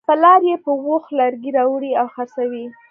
پلار یې په اوښ لرګي راوړي او خرڅوي.